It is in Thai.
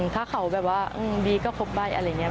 ถ้าเขาแบบว่าบีก็ครบใบอะไรอย่างนี้